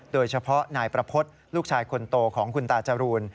โดยเฉพาะนายประพฤติลูกชายคนโตของคุณตาจรูน